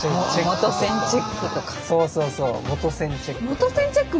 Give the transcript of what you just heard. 元栓チェック。